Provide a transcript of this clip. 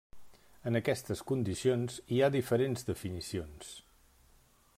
En aquestes condicions hi ha diferents definicions.